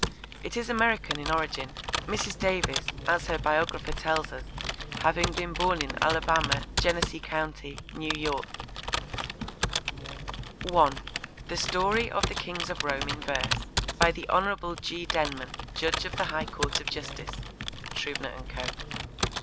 It is American in origin, Mrs. Davis, as her biographer tells us, having been born in Alabama, Genesee co., N.Y. (1) The Story of the Kings of Rome in Verse. By the Hon. G. Denman, Judge of the High Court of Justice. (Trubner and Co.)